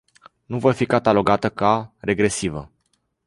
Nu voi fi catalogată ca regresivă.